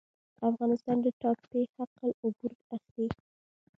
افغانستان د ټاپي حق العبور اخلي